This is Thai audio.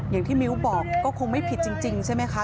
อย่างที่มิวบอกก็คงไม่ผิดจริงใช่ไหมคะ